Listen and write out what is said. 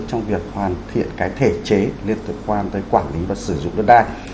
trong việc hoàn thiện thể chế liên tục quan tới quản lý và sử dụng đất đai